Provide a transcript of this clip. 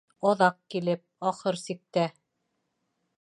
Аҙаҡ килеп, ахыр сиктә